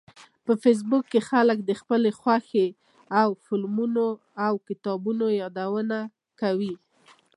په فېسبوک کې خلک د خپلو خوښې وړ فلمونو او کتابونو یادونه کوي